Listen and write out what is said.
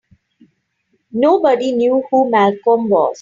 Nobody knew who Malcolm was.